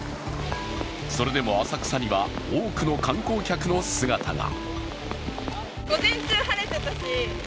それでも浅草には多くの観光客の姿が。